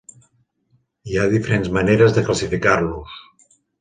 Hi ha diferents maneres de classificar-los.